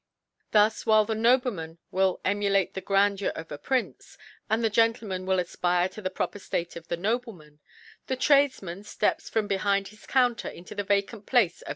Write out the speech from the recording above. Thus wt\ile the Nobleman v^ill emulate the Grand jur of a Prince ; and ihe Gentleman will afpire to the propter State of the Nobleman ; the l^adelman fteps from behind his Counter into the vacant Place of.